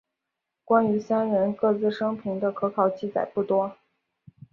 关于三人各自生平的可考记载不多。